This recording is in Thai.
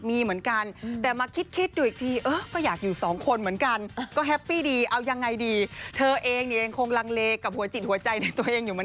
มันยังสอบติดสองใจอยู่กำลังจะย้ายเค้าบ้านใหม่